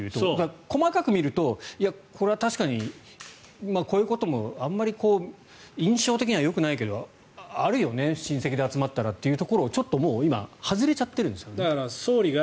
細かく見るとこれは確かにこういうこともあまり印象的にはよくないけどあるよね、親戚で集まったらっていうところからちょっと今外れちゃっているんですよね。